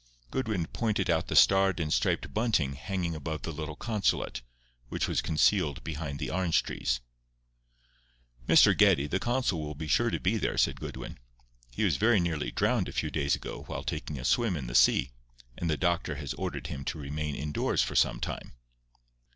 Goodwin pointed out the starred and striped bunting hanging above the little consulate, which was concealed behind the orange trees. "Mr. Geddie, the consul, will be sure to be there," said Goodwin. "He was very nearly drowned a few days ago while taking a swim in the sea, and the doctor has ordered him to remain indoors for some time."